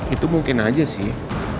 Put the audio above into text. itu mungkin aja sih